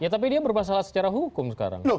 tapi dia bermasalah secara hukum sekarang